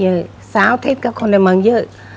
เยอะสาวเทศก็คนในเมืองเยอะ